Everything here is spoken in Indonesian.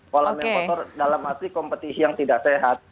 kolam yang kotor dalam arti kompetisi yang tidak sehat